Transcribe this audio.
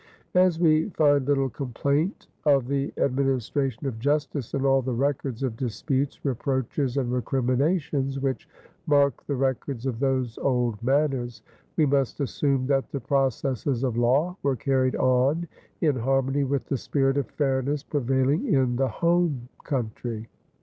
As we find little complaint of the administration of justice in all the records of disputes, reproaches, and recriminations which mark the records of those old manors, we must assume that the processes of law were carried on in harmony with the spirit of fairness prevailing in the home country.